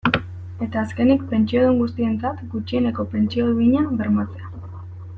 Eta azkenik, pentsiodun guztientzat gutxieneko pentsio duina bermatzea.